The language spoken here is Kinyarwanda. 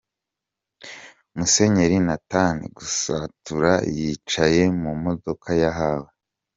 Musenyeri Nathan Gasatura yicaye mu mudoka yahawe.